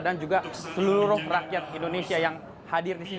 dan juga seluruh rakyat indonesia yang hadir di sini